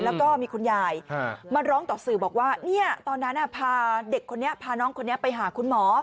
แล้วก็มีคุณยายมาร้องต่อสื่อบอกว่าตอนนั้นพาเด็กคนนี้พาน้องคนนี้ไปหาคุณหมอ